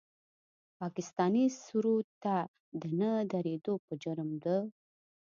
پاکستاني سرود ته د نه درېدو په جرم د